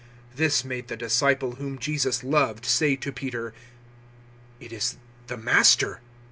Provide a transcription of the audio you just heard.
021:007 This made the disciple whom Jesus loved say to Peter, "It is the Master."